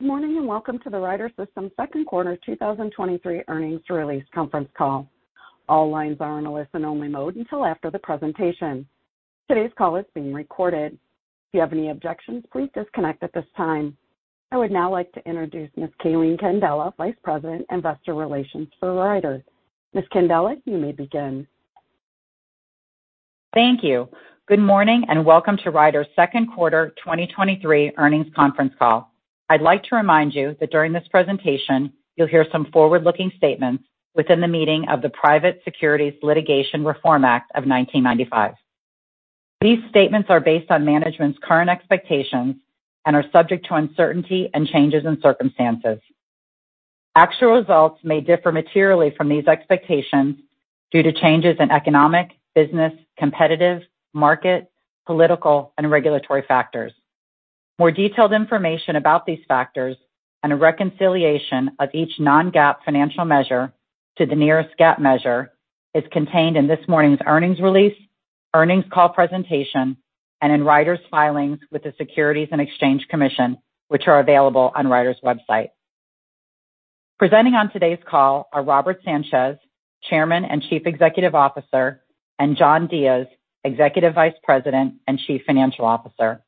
Good morning, and welcome to the Ryder System Second Quarter 2023 Earnings release Conference Call. All lines are in a listen-only mode until after the presentation. Today's call is being recorded. If you have any objections, please disconnect at this time. I would now like to introduce Ms. Calene Candela, Vice President, Investor Relations for Ryder. Ms. Candela, you may begin. Thank you. Good morning, and welcome to Ryder's second quarter 2023 earnings conference call. I'd like to remind you that during this presentation, you'll hear some forward-looking statements within the meaning of the Private Securities Litigation Reform Act of 1995. These statements are based on management's current expectations and are subject to uncertainty and changes in circumstances. Actual results may differ materially from these expectations due to changes in economic, business, competitive, market, political, and regulatory factors. More detailed information about these factors and a reconciliation of each non-GAAP financial measure to the nearest GAAP measure is contained in this morning's earnings release, earnings call presentation, and in Ryder's filings with the Securities and Exchange Commission, which are available on Ryder's website. Presenting on today's call are Robert Sanchez, Chairman and Chief Executive Officer, and John Diez, Executive Vice President and Chief Financial Officer.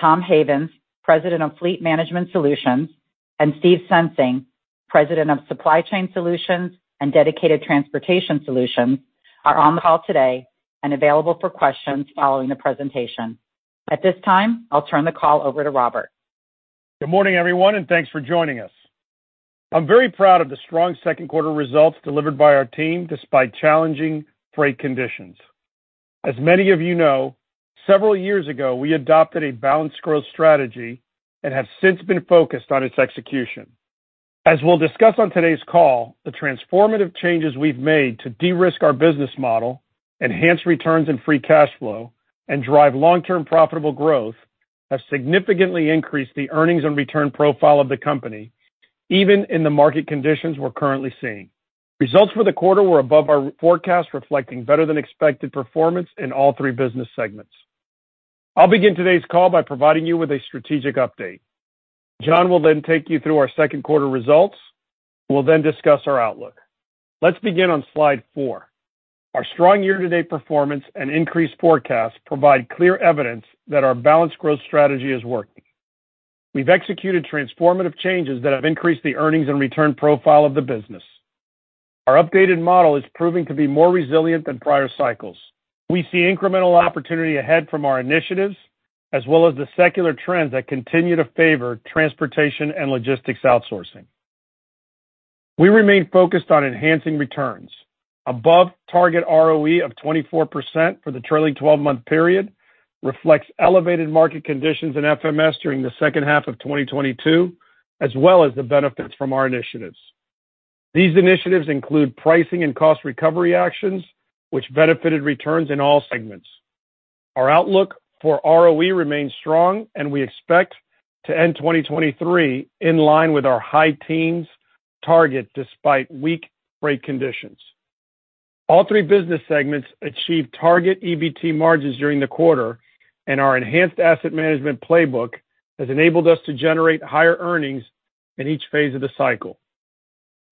Tom Havens, President of Fleet Management Solutions, and Steve Sensing, President of Supply Chain Solutions and Dedicated Transportation Solutions, are on the call today and available for questions following the presentation. At this time, I'll turn the call over to Robert. Good morning, everyone. Thanks for joining us. I'm very proud of the strong second quarter results delivered by our team despite challenging freight conditions. As many of you know, several years ago, we adopted a balanced growth strategy and have since been focused on its execution. As we'll discuss on today's call, the transformative changes we've made to de-risk our business model, enhance returns and free cash flow, and drive long-term profitable growth, have significantly increased the earnings and return profile of the company, even in the market conditions we're currently seeing. Results for the quarter were above our forecast, reflecting better than expected performance in all three business segments. I'll begin today's call by providing you with a strategic update. John will take you through our second quarter results. We'll discuss our outlook. Let's begin on slide four. Our strong year-to-date performance and increased forecast provide clear evidence that our balanced growth strategy is working. We've executed transformative changes that have increased the earnings and return profile of the business. Our updated model is proving to be more resilient than prior cycles. We see incremental opportunity ahead from our initiatives, as well as the secular trends that continue to favor transportation and logistics outsourcing. We remain focused on enhancing returns. Above target ROE of 24% for the trailing twelve-month period reflects elevated market conditions in FMS during the second half of 2022, as well as the benefits from our initiatives. These initiatives include pricing and cost recovery actions, which benefited returns in all segments. Our outlook for ROE remains strong, and we expect to end 2023 in line with our high teens target, despite weak freight conditions. All three business segments achieved target EBT margins during the quarter, and our enhanced asset management playbook has enabled us to generate higher earnings in each phase of the cycle.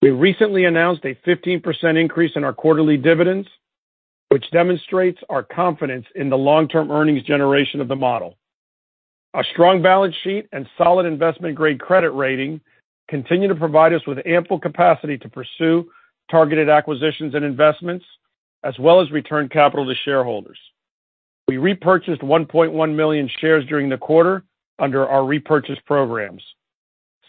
We recently announced a 15% increase in our quarterly dividends, which demonstrates our confidence in the long-term earnings generation of the model. Our strong balance sheet and solid investment-grade credit rating continue to provide us with ample capacity to pursue targeted acquisitions and investments, as well as return capital to shareholders. We repurchased 1.1 million shares during the quarter under our repurchase programs.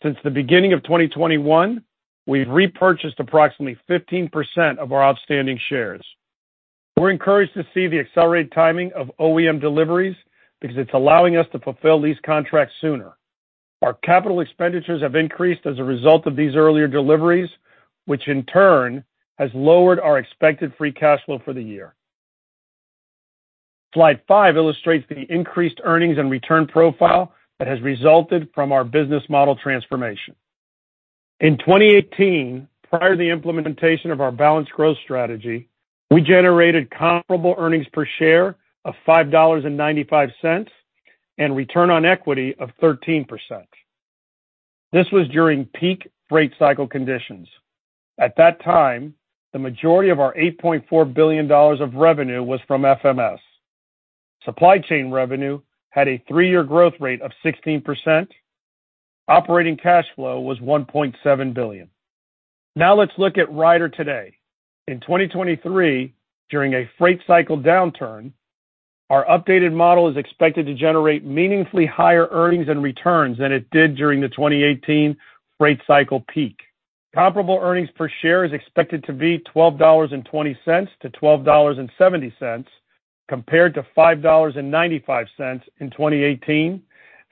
Since the beginning of 2021, we've repurchased approximately 15% of our outstanding shares. We're encouraged to see the accelerated timing of OEM deliveries because it's allowing us to fulfill these contracts sooner. Our capital expenditures have increased as a result of these earlier deliveries, which in turn has lowered our expected free cash flow for the year. Slide five illustrates the increased earnings and return profile that has resulted from our business model transformation. In 2018, prior to the implementation of our balanced growth strategy, we generated comparable earnings per share of $5.95 and return on equity of 13%. This was during peak freight cycle conditions. At that time, the majority of our $8.4 billion of revenue was from FMS. Supply chain revenue had a three-year growth rate of 16%. Operating cash flow was $1.7 billion. Now let's look at Ryder today. In 2023, during a freight cycle downturn, our updated model is expected to generate meaningfully higher earnings and returns than it did during the 2018 freight cycle peak. Comparable earnings per share is expected to be $12.20-$12.70, compared to $5.95 in 2018,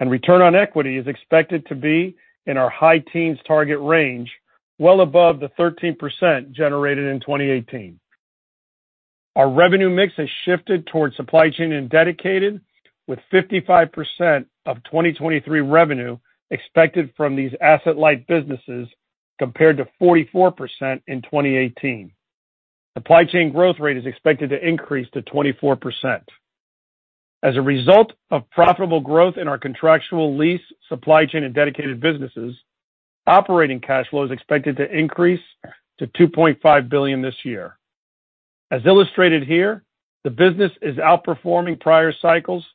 and return on equity is expected to be in our high teens target range, well above the 13% generated in 2018. Our revenue mix has shifted towards supply chain and dedicated, with 55% of 2023 revenue expected from these asset-light businesses, compared to 44% in 2018. Supply chain growth rate is expected to increase to 24%. As a result of profitable growth in our contractual lease, supply chain, and dedicated businesses, operating cash flow is expected to increase to $2.5 billion this year. As illustrated here, the business is outperforming prior cycles,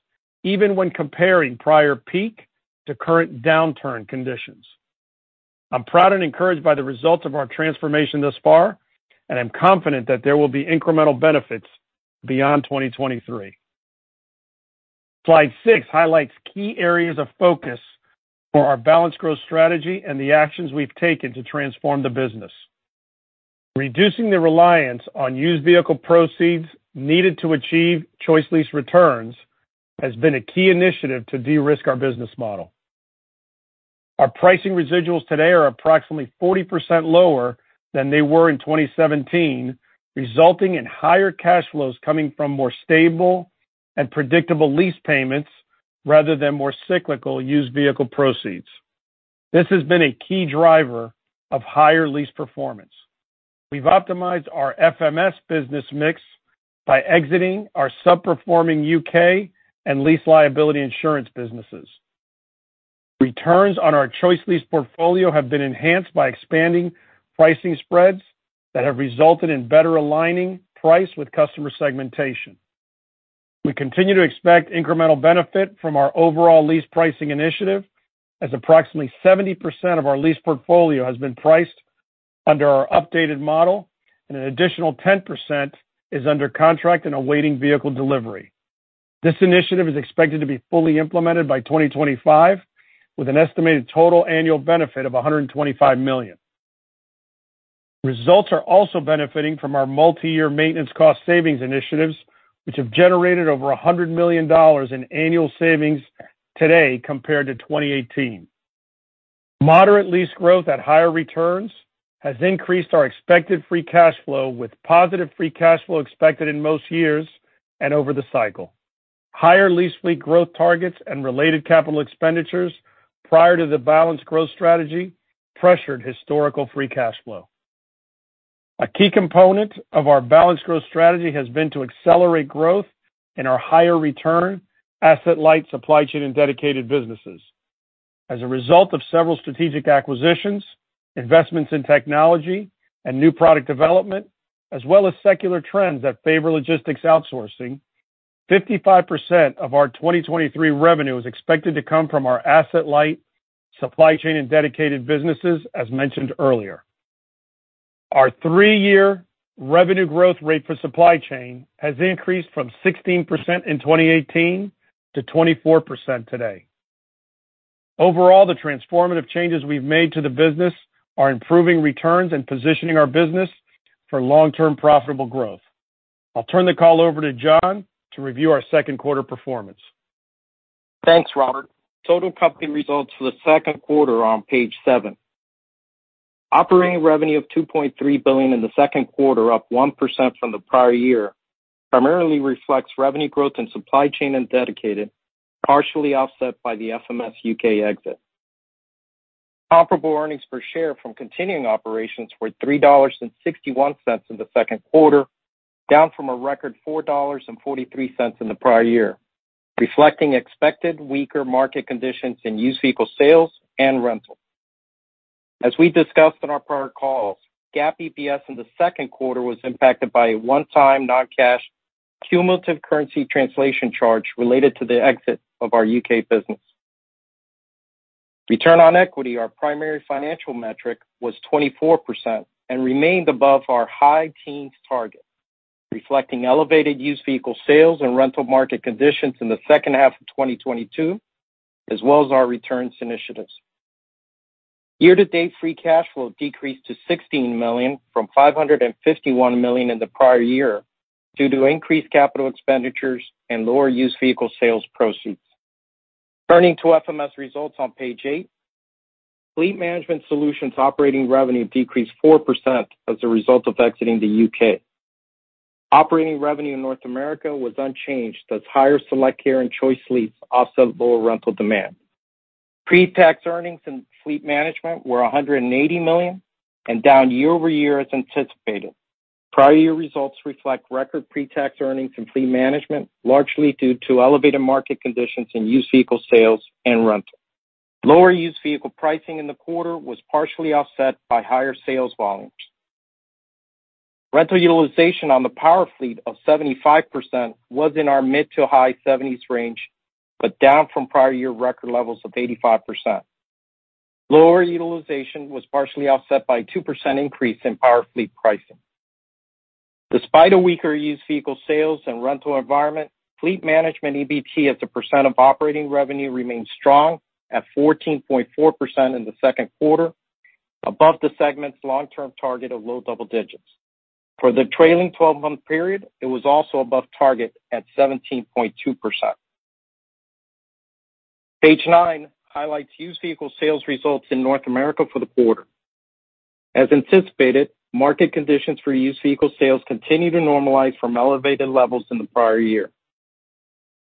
even when comparing prior peak to current downturn conditions. I'm proud and encouraged by the results of our transformation thus far, and I'm confident that there will be incremental benefits beyond 2023. Slide six highlights key areas of focus for our balanced growth strategy and the actions we've taken to transform the business. Reducing the reliance on used vehicle proceeds needed to achieve ChoiceLease returns has been a key initiative to de-risk our business model. Our pricing residuals today are approximately 40% lower than they were in 2017, resulting in higher cash flows coming from more stable and predictable lease payments rather than more cyclical used vehicle proceeds. This has been a key driver of higher lease performance. We've optimized our FMS business mix by exiting our subperforming U.K. and lease liability insurance businesses. Returns on our ChoiceLease portfolio have been enhanced by expanding pricing spreads that have resulted in better aligning price with customer segmentation. We continue to expect incremental benefit from our overall lease pricing initiative, as approximately 70% of our lease portfolio has been priced under our updated model, and an additional 10% is under contract and awaiting vehicle delivery. This initiative is expected to be fully implemented by 2025, with an estimated total annual benefit of $125 million. Results are also benefiting from our multiyear maintenance cost savings initiatives, which have generated over $100 million in annual savings today compared to 2018. Moderate lease growth at higher returns has increased our expected free cash flow, with positive free cash flow expected in most years and over the cycle. Higher lease fleet growth targets and related capital expenditures prior to the balanced growth strategy pressured historical free cash flow. A key component of our balanced growth strategy has been to accelerate growth in our higher return, asset-light supply chain, and dedicated businesses. As a result of several strategic acquisitions, investments in technology and new product development, as well as secular trends that favor logistics outsourcing, 55% of our 2023 revenue is expected to come from our asset-light supply chain and dedicated businesses, as mentioned earlier. Our three year revenue growth rate for supply chain has increased from 16% in 2018 to 24% today. Overall, the transformative changes we've made to the business are improving returns and positioning our business for long-term profitable growth. I'll turn the call over to John to review our second quarter performance. Thanks, Robert. Total company results for the second quarter are on page seven. Operating revenue of $2.3 billion in the second quarter, up 1% from the prior year, primarily reflects revenue growth in supply chain and dedicated, partially offset by the FMS UK exit. Comparable earnings per share from continuing operations were $3.61 in the second quarter, down from a record $4.43 in the prior year, reflecting expected weaker market conditions in used vehicle sales and rental. As we discussed on our prior calls, GAAP EPS in the second quarter was impacted by a one-time non-cash cumulative currency translation charge related to the exit of our UK business. Return on equity, our primary financial metric, was 24% and remained above our high teens target, reflecting elevated used vehicle sales and rental market conditions in the second half of 2022, as well as our returns initiatives. Year-to-date free cash flow decreased to $16 million from $551 million in the prior year, due to increased capital expenditures and lower used vehicle sales proceeds. Turning to FMS results on page eight. Fleet Management Solutions operating revenue decreased 4% as a result of exiting the U.K. Operating revenue in North America was unchanged as higher SelectCare and ChoiceLease offset lower rental demand. Pre-tax earnings in Fleet Management were $180 million and down year-over-year as anticipated. Prior year results reflect record pre-tax earnings in Fleet Management, largely due to elevated market conditions in used vehicle sales and rental. Lower used vehicle pricing in the quarter was partially offset by higher sales volumes. Rental utilization on the power fleet of 75% was in our mid to high seventies range, but down from prior year record levels of 85%. Lower utilization was partially offset by 2% increase in power fleet pricing. Despite a weaker used vehicle sales and rental environment, Fleet Management EBT as a percent of operating revenue remained strong at 14.4% in the second quarter, above the segment's long-term target of low double digits. For the trailing twelve-month period, it was also above target at 17.2%. Page nine highlights used vehicle sales results in North America for the quarter. As anticipated, market conditions for used vehicle sales continued to normalize from elevated levels in the prior year.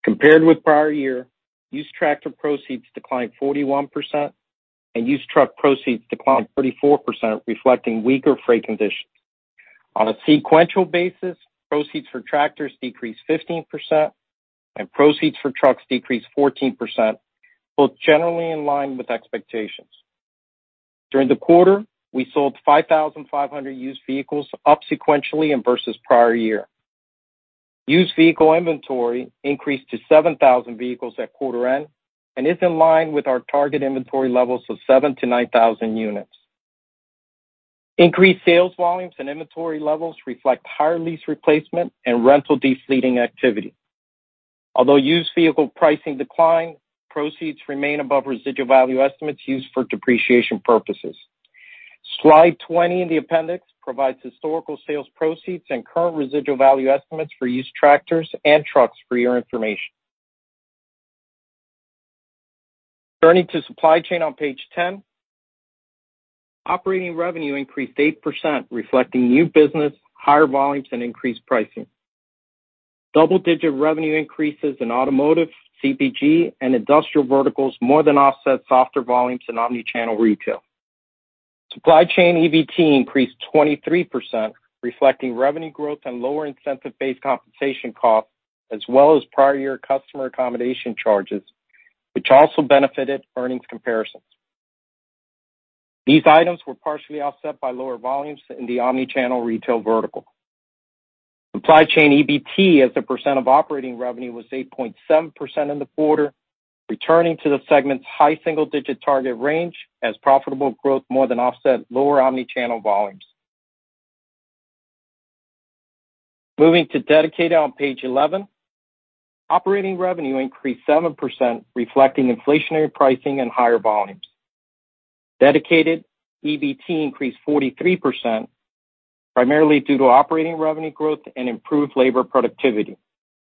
Compared with prior year, used tractor proceeds declined 41% and used truck proceeds declined 34%, reflecting weaker freight conditions. On a sequential basis, proceeds for tractors decreased 15% and proceeds for trucks decreased 14%, both generally in line with expectations. During the quarter, we sold 5,500 used vehicles, up sequentially and versus prior year. Used vehicle inventory increased to 7,000 vehicles at quarter end and is in line with our target inventory levels of 7,000-9,000 units. Increased sales volumes and inventory levels reflect higher lease replacement and rental de-fleeting activity. Although used vehicle pricing declined, proceeds remain above residual value estimates used for depreciation purposes. Slide 20 in the appendix provides historical sales proceeds and current residual value estimates for used tractors and trucks for your information. Turning to supply chain on page 10, operating revenue increased 8%, reflecting new business, higher volumes, and increased pricing. Double-digit revenue increases in automotive, CPG, and industrial verticals more than offset softer volumes in omnichannel retail. Supply chain EBT increased 23%, reflecting revenue growth and lower incentive-based compensation costs, as well as prior year customer accommodation charges, which also benefited earnings comparisons. These items were partially offset by lower volumes in the omnichannel retail vertical. Supply chain EBT, as a percent of operating revenue, was 8.7% in the quarter, returning to the segment's high single-digit target range as profitable growth more than offset lower omnichannel volumes. Moving to Dedicated on page 11, operating revenue increased 7%, reflecting inflationary pricing and higher volumes. Dedicated EBT increased 43%, primarily due to operating revenue growth and improved labor productivity.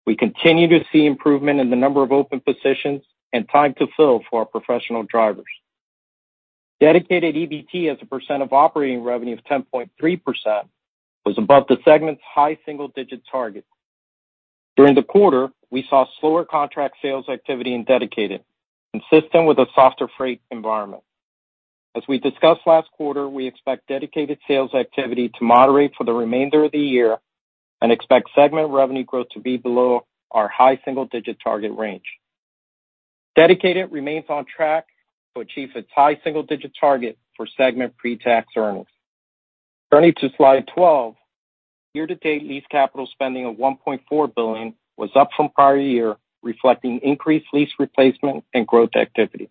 We continue to see improvement in the number of open positions and time to fill for our professional drivers. Dedicated EBT, as a percent of operating revenue of 10.3%, was above the segment's high single digit target. During the quarter, we saw slower contract sales activity in Dedicated, consistent with a softer freight environment. As we discussed last quarter, we expect Dedicated sales activity to moderate for the remainder of the year and expect segment revenue growth to be below our high single digit target range. Dedicated remains on track to achieve its high single digit target for segment pretax earnings. Turning to slide 12, year-to-date lease capital spending of $1.4 billion was up from prior year, reflecting increased lease replacement and growth activity,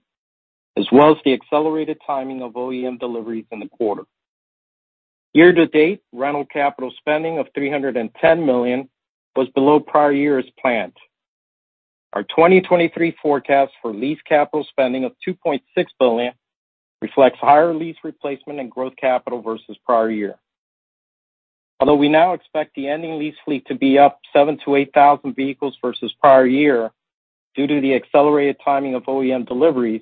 as well as the accelerated timing of OEM deliveries in the quarter. Year-to-date, rental capital spending of $310 million was below prior year's planned. Our 2023 forecast for lease capital spending of $2.6 billion reflects higher lease replacement and growth capital versus prior year. Although we now expect the ending lease fleet to be up 7,000-8,000 vehicles versus prior year due to the accelerated timing of OEM deliveries,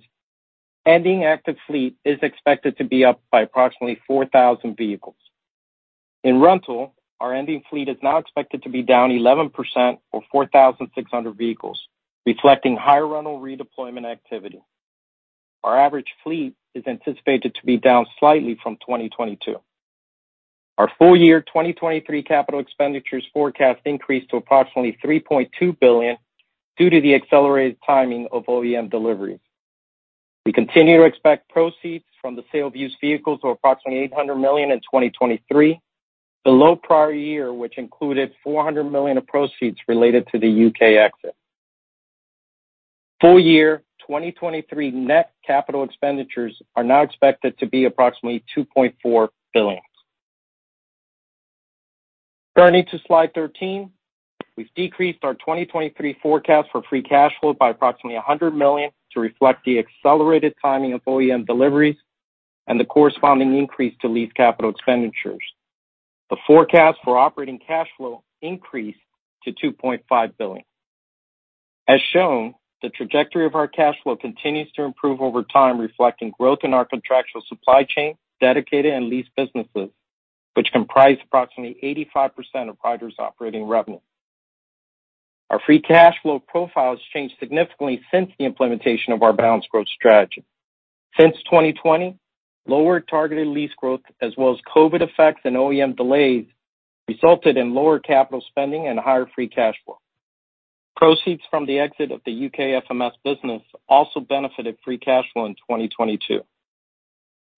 ending active fleet is expected to be up by approximately 4,000 vehicles. In rental, our ending fleet is now expected to be down 11% or 4,600 vehicles, reflecting higher rental redeployment activity. Our average fleet is anticipated to be down slightly from 2022. Our full year 2023 capital expenditures forecast increased to approximately $3.2 billion due to the accelerated timing of OEM deliveries. We continue to expect proceeds from the sale of used vehicles of approximately $800 million in 2023, below prior year, which included $400 million of proceeds related to the U.K. exit. Full year 2023 net capital expenditures are now expected to be approximately $2.4 billion. Turning to slide 13. We've decreased our 2023 forecast for free cash flow by approximately $100 million to reflect the accelerated timing of OEM deliveries and the corresponding increase to lease capital expenditures. The forecast for operating cash flow increased to $2.5 billion. As shown, the trajectory of our cash flow continues to improve over time, reflecting growth in our contractual supply chain, dedicated, and lease businesses, which comprise approximately 85% of Ryder's operating revenue. Our free cash flow profile has changed significantly since the implementation of our balanced growth strategy. Since 2020, lower targeted lease growth, as well as COVID effects and OEM delays, resulted in lower capital spending and higher free cash flow. Proceeds from the exit of the U.K. FMS business also benefited free cash flow in 2022.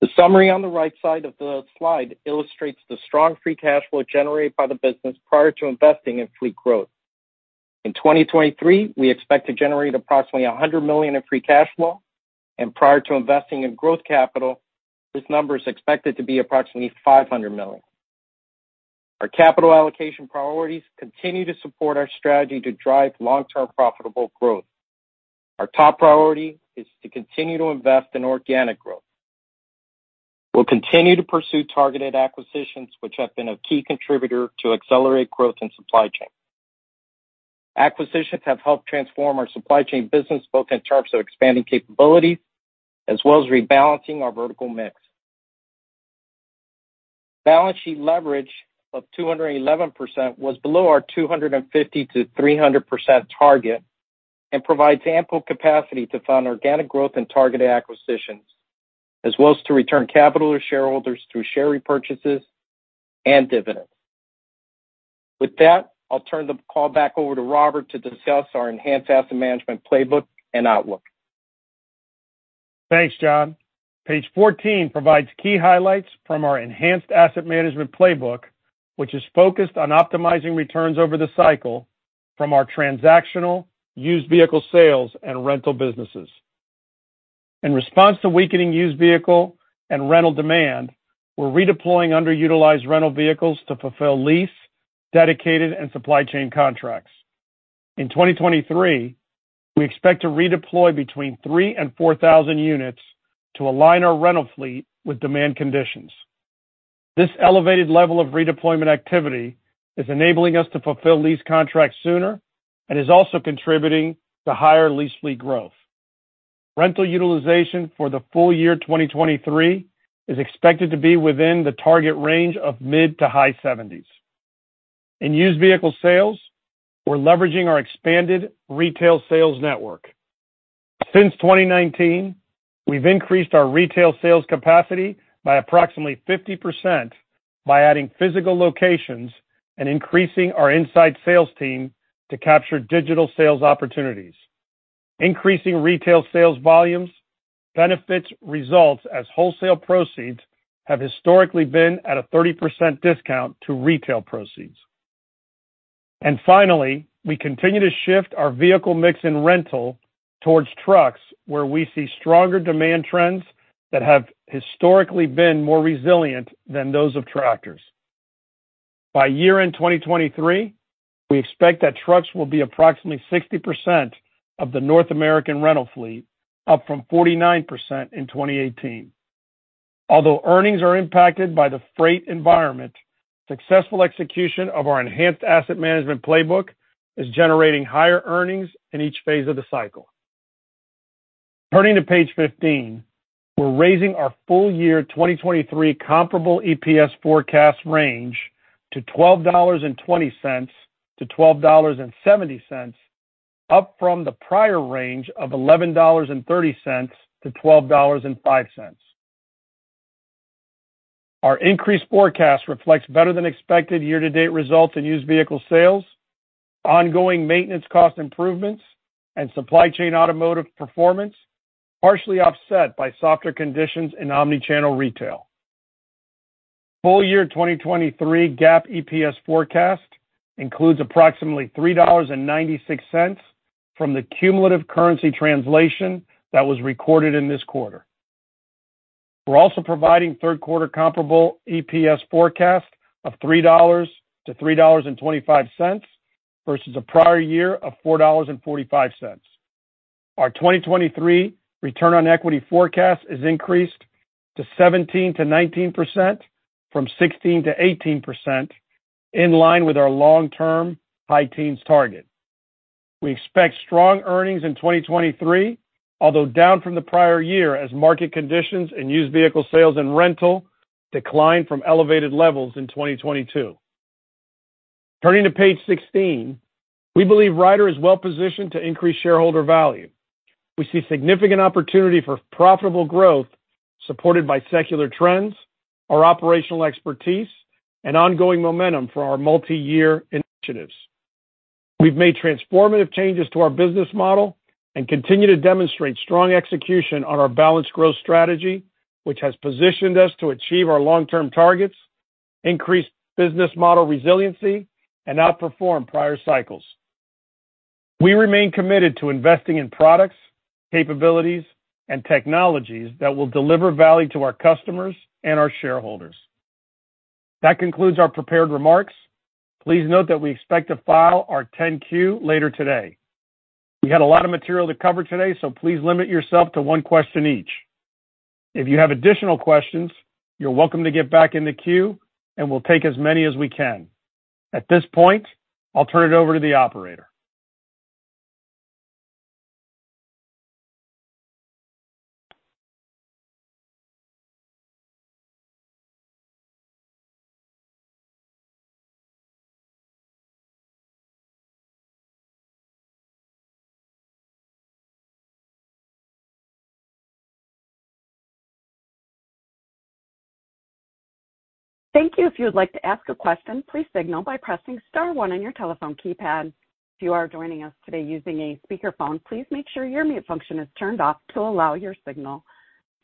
The summary on the right side of the slide illustrates the strong free cash flow generated by the business prior to investing in fleet growth. In 2023, we expect to generate approximately $100 million in free cash flow, and prior to investing in growth capital, this number is expected to be approximately $500 million. Our capital allocation priorities continue to support our strategy to drive long-term profitable growth. Our top priority is to continue to invest in organic growth. We'll continue to pursue targeted acquisitions, which have been a key contributor to accelerate growth in supply chain. Acquisitions have helped transform our supply chain business, both in terms of expanding capabilities as well as rebalancing our vertical mix. Balance sheet leverage of 211% was below our 250%-300% target and provides ample capacity to fund organic growth and targeted acquisitions, as well as to return capital to shareholders through share repurchases and dividends. I'll turn the call back over to Robert to discuss our enhanced asset management playbook and outlook. Thanks, John. Page 14 provides key highlights from our enhanced asset management playbook, which is focused on optimizing returns over the cycle from our transactional, used vehicle sales, and rental businesses. Response to weakening used vehicle and rental demand, we're redeploying underutilized rental vehicles to fulfill lease, dedicated, and supply chain contracts. 2023, we expect to redeploy between 3,000 and 4,000 units to align our rental fleet with demand conditions. This elevated level of redeployment activity is enabling us to fulfill lease contracts sooner and is also contributing to higher lease fleet growth. Rental utilization for the full year 2023 is expected to be within the target range of mid to high seventies. Used vehicle sales, we're leveraging our expanded retail sales network. Since 2019, we've increased our retail sales capacity by approximately 50% by adding physical locations and increasing our inside sales team to capture digital sales opportunities. Increasing retail sales volumes benefits results, as wholesale proceeds have historically been at a 30% discount to retail proceeds. Finally, we continue to shift our vehicle mix in rental towards trucks, where we see stronger demand trends that have historically been more resilient than those of tractors. By year-end 2023, we expect that trucks will be approximately 60% of the North American rental fleet, up from 49% in 2018. Although earnings are impacted by the freight environment, successful execution of our enhanced asset management playbook is generating higher earnings in each phase of the cycle. Turning to page 15, we're raising our full year 2023 comparable EPS forecast range to $12.20-$12.70, up from the prior range of $11.30-$12.05. Our increased forecast reflects better than expected year-to-date results in used vehicle sales, ongoing maintenance cost improvements, and supply chain automotive performance, partially offset by softer conditions in omni-channel retail. Full year 2023 GAAP EPS forecast includes approximately $3.96 from the cumulative currency translation that was recorded in this quarter. We're also providing 3rd quarter comparable EPS forecast of $3.00-$3.25 versus a prior year of $4.45. Our 2023 return on equity forecast is increased to 17%-19% from 16%-18%, in line with our long-term high teens target. We expect strong earnings in 2023, although down from the prior year, as market conditions and used vehicle sales and rental decline from elevated levels in 2022. Turning to page 16, we believe Ryder is well positioned to increase shareholder value. We see significant opportunity for profitable growth, supported by secular trends, our operational expertise, and ongoing momentum for our multiyear initiatives. We've made transformative changes to our business model and continue to demonstrate strong execution on our balanced growth strategy, which has positioned us to achieve our long-term targets, increase business model resiliency, and outperform prior cycles. We remain committed to investing in products, capabilities, and technologies that will deliver value to our customers and our shareholders. That concludes our prepared remarks. Please note that we expect to file our 10-Q later today. We had a lot of material to cover today, so please limit yourself to one question each. If you have additional questions, you're welcome to get back in the queue, and we'll take as many as we can. At this point, I'll turn it over to the operator. Thank you. If you would like to ask a question, please signal by pressing star one on your telephone keypad. If you are joining us today using a speakerphone, please make sure your mute function is turned off to allow your signal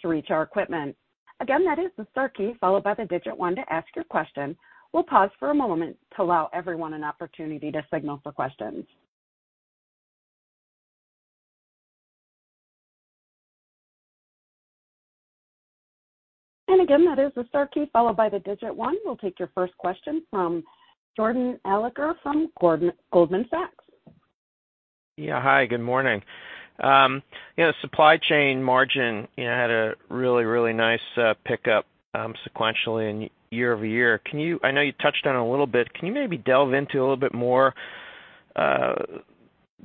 to reach our equipment. Again, that is the star key followed by the digit one to ask your question. We'll pause for a moment to allow everyone an opportunity to signal for questions. Again, that is the star key followed by the digit one. We'll take your first question from Jordan Alliger from Goldman Sachs. Yeah, hi, good morning. you know, supply chain margin, you know, had a really nice pickup, sequentially and year-over-year. I know you touched on it a little bit, can you maybe delve into a little bit more,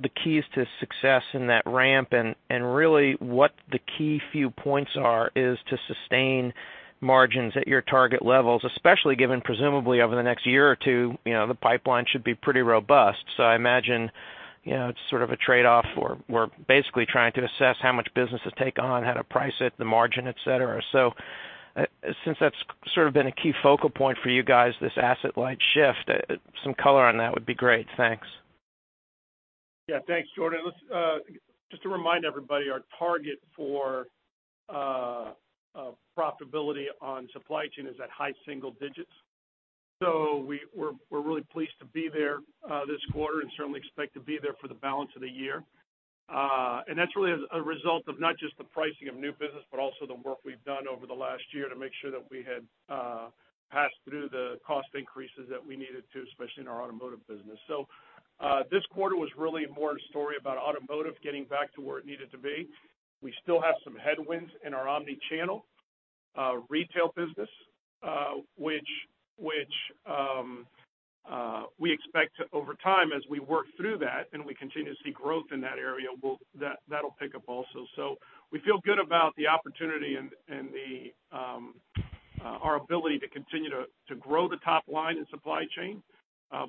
the keys to success in that ramp, and really what the key few points are, is to sustain margins at your target levels, especially given presumably over the next year or two, you know, the pipeline should be pretty robust. I imagine, you know, it's sort of a trade-off, or we're basically trying to assess how much business to take on, how to price it, the margin, et cetera. Since that's sort of been a key focal point for you guys, this asset-light shift, some color on that would be great. Thanks. Yeah. Thanks, Jordan. Let's just to remind everybody, our target for profitability on supply chain is at high single digits. We're really pleased to be there this quarter and certainly expect to be there for the balance of the year. That's really as a result of not just the pricing of new business, but also the work we've done over the last year to make sure that we had passed through the cost increases that we needed to, especially in our automotive business. This quarter was really more a story about automotive getting back to where it needed to be. We still have some headwinds in our omni-channel retail business, which we expect over time as we work through that, and we continue to see growth in that area, that'll pick up also. We feel good about the opportunity and the, our ability to grow the top line in supply chain,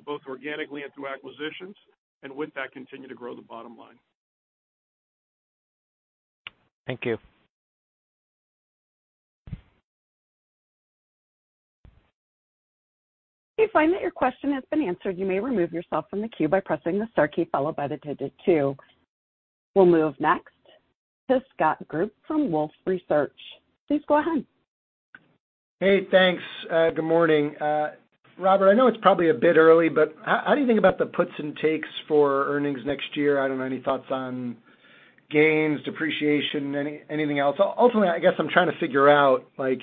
both organically and through acquisitions, and with that, continue to grow the bottom line. Thank you. If you find that your question has been answered, you may remove yourself from the queue by pressing the star key followed by the digit two. We'll move next to Scott Group from Wolfe Research. Please go ahead. Hey, thanks. Good morning. Robert, I know it's probably a bit early, but how do you think about the puts and takes for earnings next year? I don't know, any thoughts on gains, depreciation, anything else? Ultimately, I guess I'm trying to figure out, like,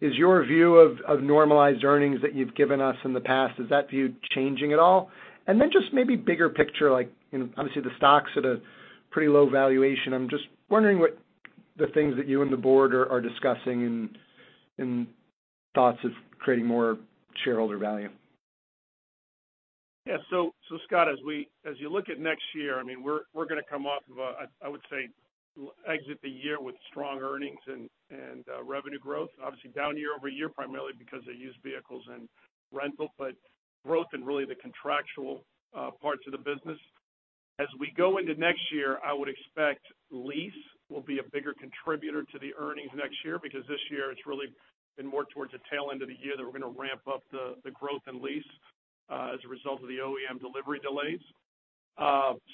is your view of normalized earnings that you've given us in the past, is that view changing at all? Just maybe bigger picture, like, you know, obviously, the stock's at a pretty low valuation. I'm just wondering what the things that you and the board are discussing and thoughts of creating more shareholder value. Scott, as you look at next year, I mean, we're gonna come off of a, I would say, exit the year with strong earnings and revenue growth, obviously down year-over-year, primarily because of used vehicles and rental, but growth in really the contractual parts of the business. As we go into next year, I would expect lease will be a bigger contributor to the earnings next year, because this year it's really been more towards the tail end of the year that we're gonna ramp up the growth in lease as a result of the OEM delivery delays.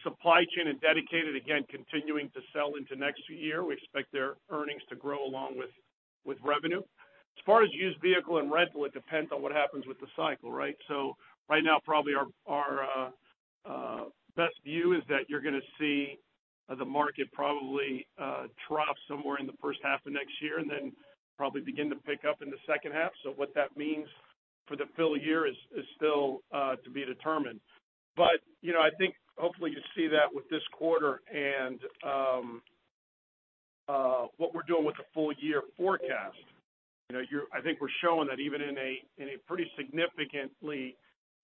Supply chain and dedicated, again, continuing to sell into next year. We expect their earnings to grow along with revenue. As far as used vehicle and rental, it depends on what happens with the cycle, right? Right now, probably our best view is that you're gonna see the market probably trough somewhere in the first half of next year, and then probably begin to pick up in the second half. What that means for the full year is still to be determined. You know, I think hopefully you see that with this quarter and what we're doing with the full year forecast. You know, I think we're showing that even in a, in a pretty significantly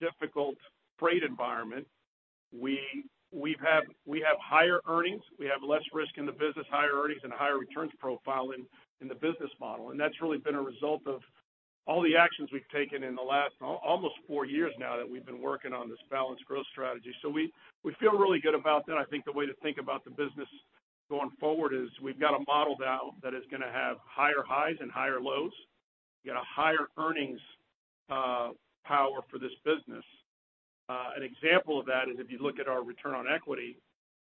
difficult freight environment, we have higher earnings. We have less risk in the business, higher earnings, and a higher returns profile in the business model. That's really been a result of all the actions we've taken in the last almost 4 years now, that we've been working on this balanced growth strategy. We feel really good about that. I think the way to think about the business going forward is, we've got a model now that is gonna have higher highs and higher lows. We got a higher earnings power for this business. An example of that is if you look at our return on equity,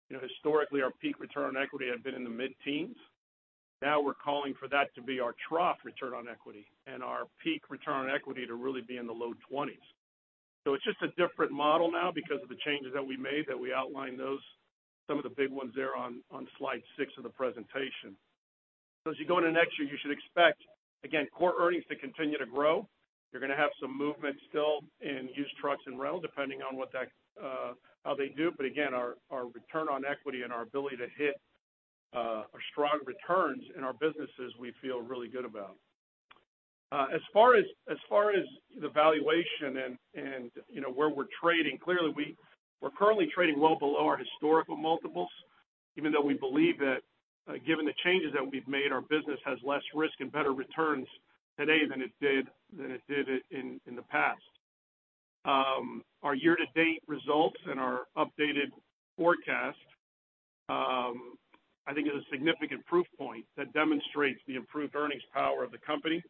you know, historically, our peak return on equity had been in the mid-teens. Now we're calling for that to be our trough return on equity, and our peak return on equity to really be in the low twenties. It's just a different model now because of the changes that we made, that we outlined those, some of the big ones on slide 6 of the presentation. As you go into next year, you should expect, again, core earnings to continue to grow. You're gonna have some movement still in used trucks and rental, depending on what that, how they do. Again, our return on equity and our ability to hit our strong returns in our businesses, we feel really good about. As far as the valuation and, you know, where we're trading, clearly, we're currently trading well below our historical multiples, even though we believe that, given the changes that we've made, our business has less risk and better returns today than it did in the past. Our year-to-date results and our updated forecast, I think is a significant proof point that demonstrates the improved earnings power of the company,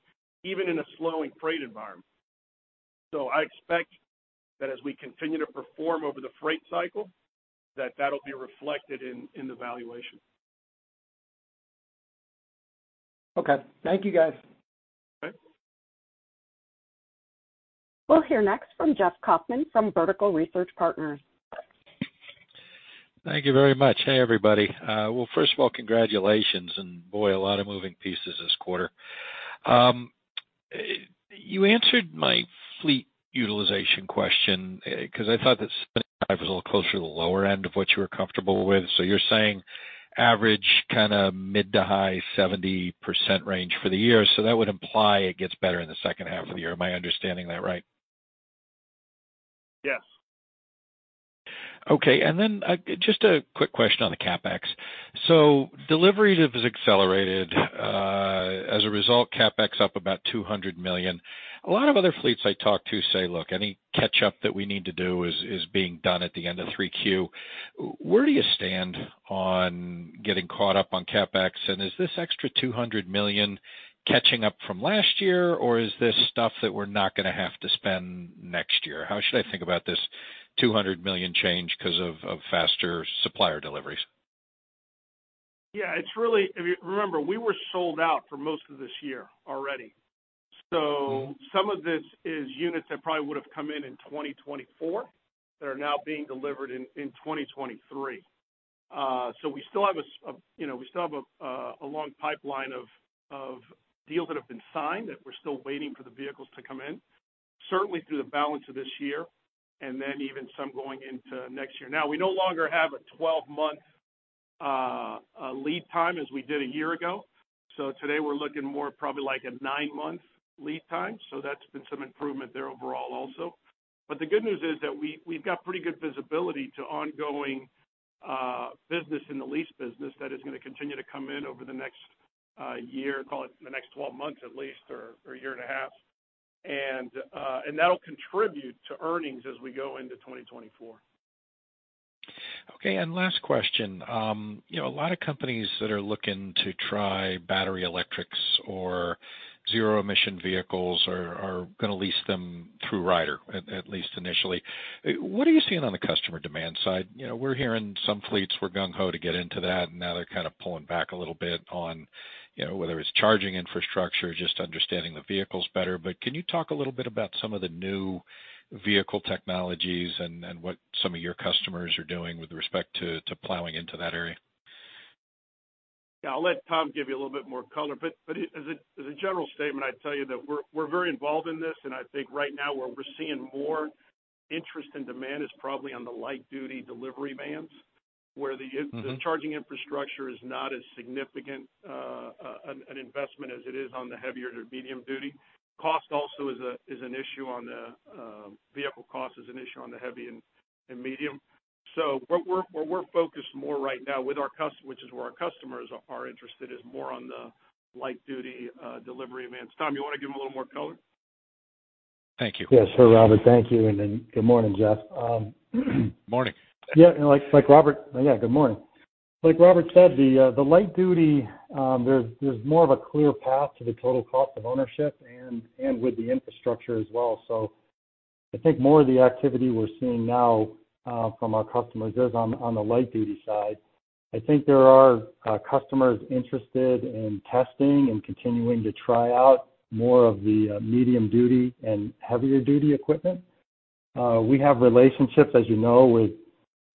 even in a slowing freight environment. I expect that as we continue to perform over the freight cycle, that that'll be reflected in the valuation. Okay. Thank you, guys. Okay. We'll hear next from Jeff Kauffman from Vertical Research Partners. Thank you very much. Hey, everybody. Well, first of all, congratulations, boy, a lot of moving pieces this quarter. You answered my fleet utilization question, because I thought that was a little closer to the lower end of what you were comfortable with. You're saying average kind of mid to high 70% range for the year. That would imply it gets better in the second half of the year. Am I understanding that right? Yes. Okay. Just a quick question on the CapEx. Delivery has accelerated, as a result, CapEx up about $200 million. A lot of other fleets I talk to say, "Look, any catch up that we need to do is being done at the end of three Q." Where do you stand on getting caught up on CapEx? Is this extra $200 million catching up from last year, or is this stuff that we're not going to have to spend next year? How should I think about this $200 million change because of faster supplier deliveries? It's really, if you remember, we were sold out for most of this year already. Some of this is units that probably would have come in 2024, that are now being delivered in 2023. we still have a, you know, we still have a long pipeline of deals that have been signed, that we're still waiting for the vehicles to come in, certainly through the balance of this year, and then even some going into next year. we no longer have a 12-month lead time as we did a year ago. Today we're looking more probably like a 9-month lead time, so that's been some improvement there overall also. The good news is that we've got pretty good visibility to ongoing business in the lease business that is going to continue to come in over the next year, call it the next 12 months at least, or a year and a half. That'll contribute to earnings as we go into 2024. Okay, last question. You know, a lot of companies that are looking to try battery electrics or zero-emission vehicles are going to lease them through Ryder, at least initially. What are you seeing on the customer demand side? You know, we're hearing some fleets were gung ho to get into that, and now they're kind of pulling back a little bit on, you know, whether it's charging infrastructure, just understanding the vehicles better. Can you talk a little bit about some of the new vehicle technologies and what some of your customers are doing with respect to plowing into that area? Yeah, I'll let Tom give you a little bit more color, but as a general statement, I'd tell you that we're very involved in this, and I think right now, where we're seeing more interest and demand is probably on the light-duty delivery vans. Mm-hmm. The charging infrastructure is not as significant, an investment as it is on the heavier to medium duty. Vehicle cost is an issue on the heavy and medium. What we're focused more right now with our customers, which is where our customers are interested, is more on the light-duty delivery vans. Tom, you want to give them a little more color? Thank you. Yes, sure, Robert. Thank you, and then good morning, Jeff. Morning. Good morning. Like Robert said, the light-duty, there's more of a clear path to the total cost of ownership and with the infrastructure as well. I think more of the activity we're seeing now from our customers is on the light-duty side. I think there are customers interested in testing and continuing to try out more of the medium-duty and heavier-duty equipment. We have relationships, as you know,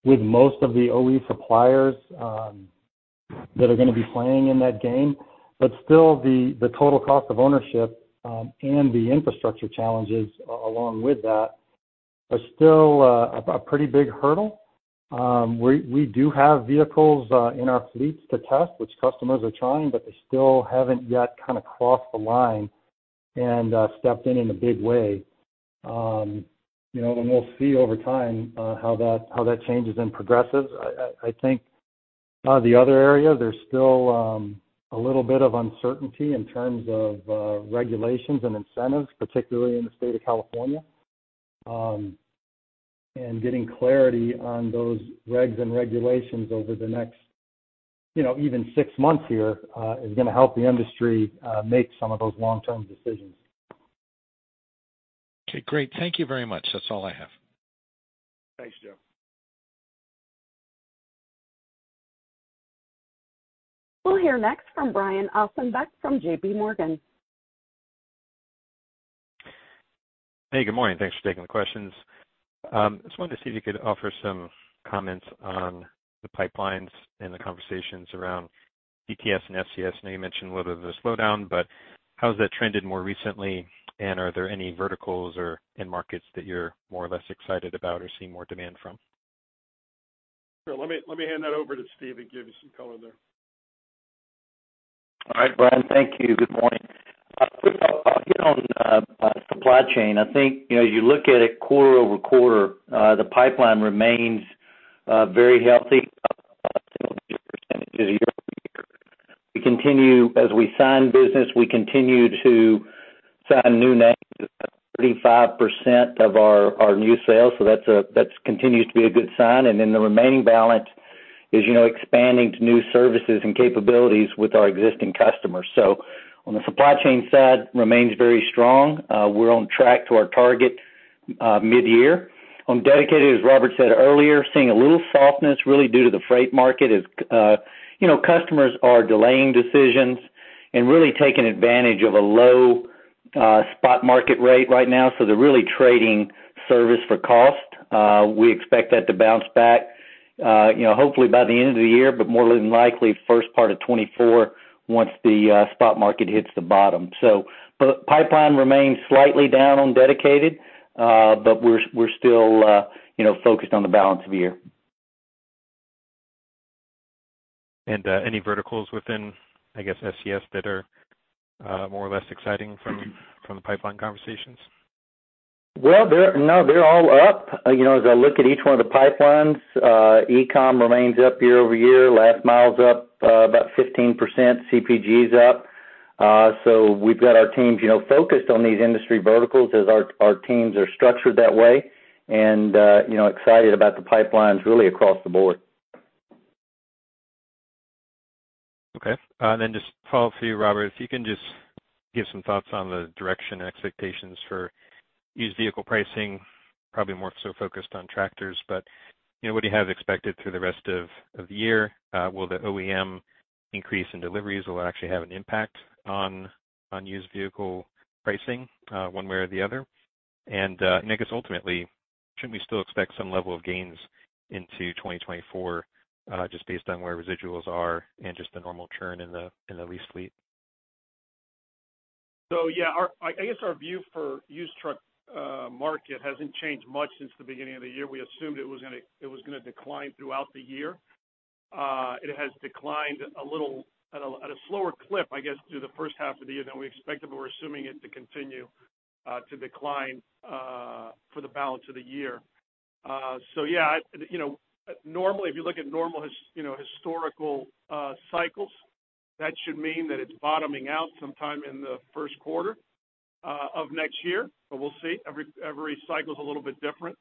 with most of the OE suppliers that are going to be playing in that game, but still the total cost of ownership and the infrastructure challenges along with that are still a pretty big hurdle. We do have vehicles in our fleets to test, which customers are trying, but they still haven't yet kind of crossed the line and stepped in in a big way. You know, and we'll see over time how that changes and progresses. I think the other area, there's still a little bit of uncertainty in terms of regulations and incentives, particularly in the state of California. Getting clarity on those regs and regulations over the next, you know, even six months here, is going to help the industry make some of those long-term decisions. Okay, great. Thank you very much. That's all I have. Thanks, Jeff. We'll hear next from Brian Ossenbeck, from JPMorgan. Hey, good morning. Thanks for taking the questions. Just wanted to see if you could offer some comments on the pipelines and the conversations around DTS and SCS. I know you mentioned a little bit of the slowdown, how has that trended more recently? Are there any verticals or end markets that you're more or less excited about or seeing more demand from? Sure. Let me hand that over to Steve to give you some color there. All right, Brian, thank you. Good morning. quick hit on supply chain. I think, you know, as you look at it quarter-over-quarter, the pipeline remains very healthy, percentage year-over-year. We continue, as we sign business, we continue to sign new names, 35% of our new sales. That continues to be a good sign. The remaining balance is, you know, expanding to new services and capabilities with our existing customers. On the supply chain side, remains very strong. We're on track to our target mid-year. On dedicated, as Robert said earlier, seeing a little softness really due to the freight market. As, you know, customers are delaying decisions and really taking advantage of a low spot market rate right now, so they're really trading service for cost. We expect that to bounce back, you know, hopefully by the end of the year, but more than likely, first part of 2024, once the spot market hits the bottom. The pipeline remains slightly down on dedicated. We're still, you know, focused on the balance of the year. Any verticals within, I guess, SCS that are, more or less exciting from the pipeline conversations? No, they're all up. You know, as I look at each one of the pipelines, e-com remains up year-over-year, last mile is up about 15%, CPG is up. We've got our teams, you know, focused on these industry verticals as our teams are structured that way, excited about the pipelines really across the board. Okay. Just a follow-up for you, Robert, if you can just give some thoughts on the direction and expectations for used vehicle pricing, probably more so focused on tractors. You know, what do you have expected through the rest of the year? Will the OEM increase in deliveries will actually have an impact on used vehicle pricing, one way or the other? I guess ultimately, should we still expect some level of gains into 2024, just based on where residuals are and just the normal churn in the, in the lease fleet? Yeah, I guess our view for used truck market hasn't changed much since the beginning of the year. We assumed it was gonna decline throughout the year. It has declined a little at a slower clip, I guess, through the first half of the year than we expected, but we're assuming it to continue to decline for the balance of the year. Yeah, you know, normally, if you look at normal, you know, historical cycles, that should mean that it's bottoming out sometime in the first quarter of next year, but we'll see. Every cycle is a little bit different.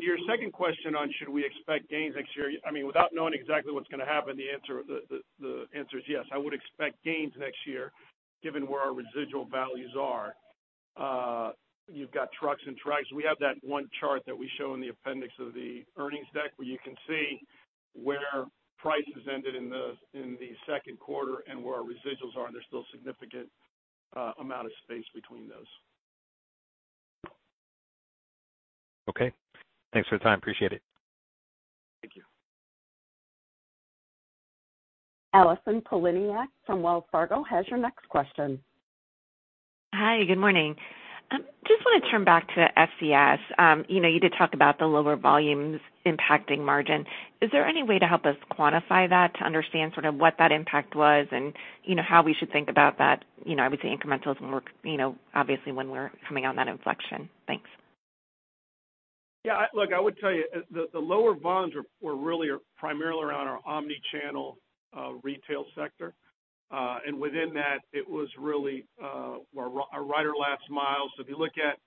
Your second question on should we expect gains next year? I mean, without knowing exactly what's going to happen, the answer is yes. I would expect gains next year, given where our residual values are. You've got trucks and tracks. We have that one chart that we show in the appendix of the earnings deck, where you can see where prices ended in the, in the second quarter and where our residuals are, and there's still significant amount of space between those. Okay. Thanks for the time. Appreciate it. Thank you. Allison Poliniak from Wells Fargo, has your next question. Hi, good morning. Just want to turn back to FCS. You know, you did talk about the lower volumes impacting margin. Is there any way to help us quantify that, to understand sort of what that impact was and, you know, how we should think about that, you know, obviously incrementals, you know, obviously when we're coming on that inflection? Thanks. Yeah, look, I would tell you, the lower volumes were really primarily around our omni-channel retail sector. Within that, it was really our Ryder last mile. If you look at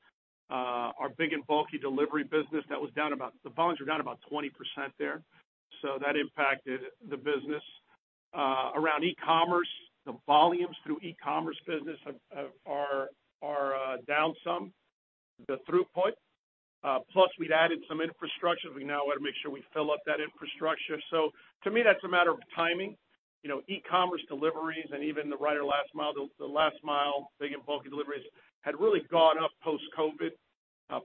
our big and bulky delivery business, the volumes were down about 20% there. That impacted the business. Around e-commerce, the volumes through e-commerce business are down some, the throughput. Plus we'd added some infrastructure. We now want to make sure we fill up that infrastructure. To me, that's a matter of timing. You know, e-commerce deliveries and even the Ryder last mile, the last mile, big and bulky deliveries, had really gone up post-COVID,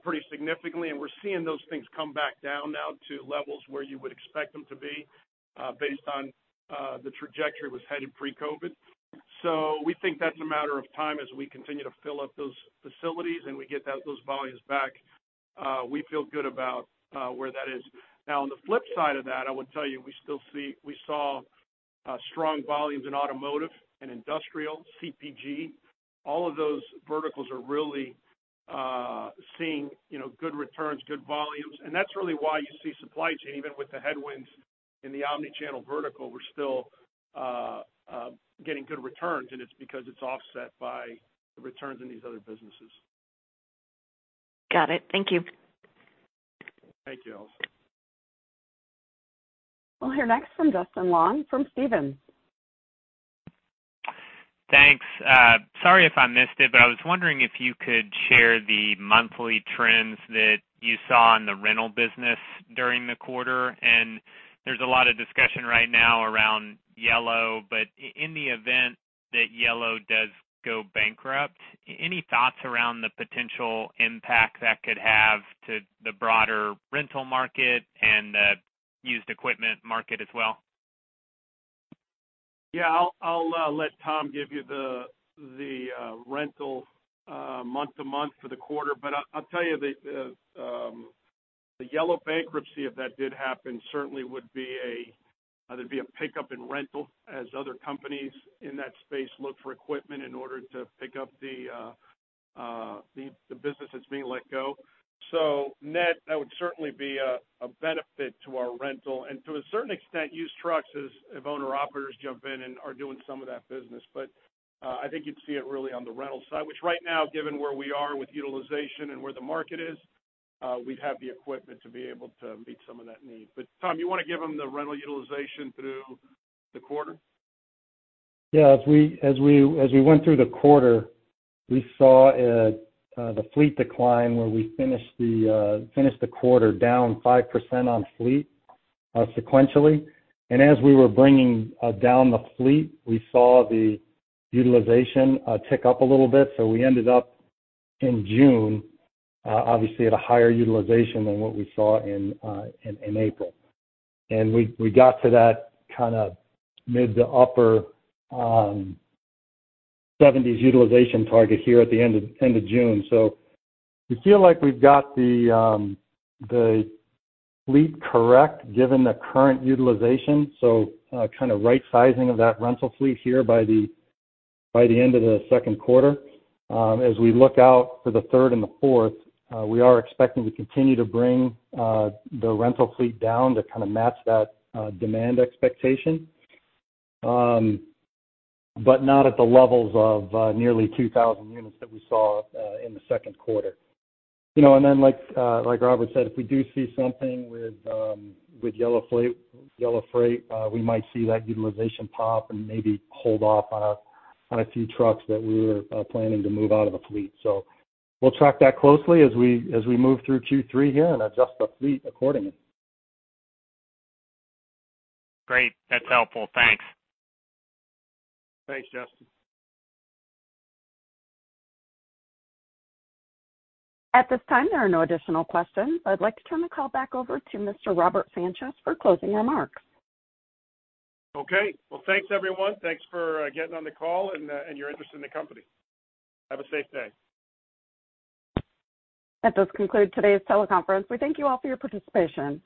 pretty significantly, and we're seeing those things come back down now to levels where you would expect them to be, based on the trajectory it was headed pre-COVID. We think that's a matter of time as we continue to fill up those facilities, and we get those volumes back, we feel good about where that is. On the flip side of that, I would tell you, we saw strong volumes in automotive and industrial, CPG. All of those verticals are really seeing, you know, good returns, good volumes, and that's really why you see supply chain, even with the headwinds in the omni-channel vertical, we're still getting good returns, and it's because it's offset by the returns in these other businesses. Got it. Thank you. Thank you, Allison. We'll hear next from Justin Long from Stephens. Thanks. Sorry if I missed it, but I was wondering if you could share the monthly trends that you saw in the rental business during the quarter. There's a lot of discussion right now around Yellow, but in the event that Yellow does go bankrupt, any thoughts around the potential impact that could have to the broader rental market and the used equipment market as well? Yeah, I'll let Tom give you the rental, month-to-month for the quarter. I'll tell you the Yellow bankruptcy, if that did happen, certainly would be a, there'd be a pickup in rental as other companies in that space look for equipment in order to pick up the business that's being let go. Net, that would certainly be a benefit to our rental and to a certain extent, used trucks as if owner-operators jump in and are doing some of that business. I think you'd see it really on the rental side, which right now, given where we are with utilization and where the market is, we have the equipment to be able to meet some of that need. Tom, you want to give them the rental utilization through the quarter? As we went through the quarter, we saw the fleet decline where we finished the quarter down 5% on fleet sequentially. As we were bringing down the fleet, we saw the utilization tick up a little bit, we ended up in June obviously at a higher utilization than what we saw in April. We got to that kind of mid to upper 70s utilization target here at the end of June. We feel like we've got the fleet correct, given the current utilization, kind of right sizing of that rental fleet here by the end of the second quarter. As we look out for the third and the fourth, we are expecting to continue to bring the rental fleet down to kind of match that demand expectation, but not at the levels of nearly 2,000 units that we saw in the second quarter. You know, like Robert said, if we do see something with Yellow Freight, we might see that utilization pop and maybe hold off on a few trucks that we were planning to move out of the fleet. We'll track that closely as we move through Q3 here and adjust the fleet accordingly. Great. That's helpful. Thanks. Thanks, Justin. At this time, there are no additional questions. I'd like to turn the call back over to Mr. Robert Sanchez for closing remarks. Okay. Well, thanks, everyone. Thanks for getting on the call and your interest in the company. Have a safe day. That does conclude today's teleconference. We thank you all for your participation.